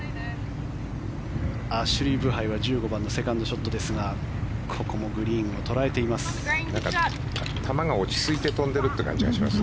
アシュリー・ブハイは１５番のセカンドショットですがここもグリーンを捉えています。